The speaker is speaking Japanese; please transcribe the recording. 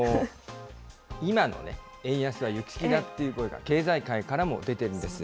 今の円安は行き過ぎだっていう声が経済界からも出てるんです。